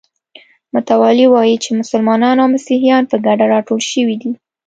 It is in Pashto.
متوالي وایي چې مسلمانان او مسیحیان په ګډه راټول شوي دي.